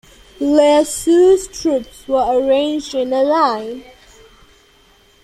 Ieyasu's troops were arranged in a line.